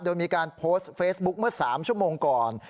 โดยมีการโพสต์เฟซบุ๊คเมื่อ๓ชั่วโมงก่อน